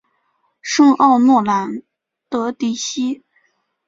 圣奥诺兰德迪西。